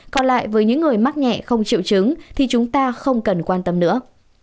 còn lại với những người mắc nhẹ không chịu chứng thì chúng ta không cần quan tâm nữa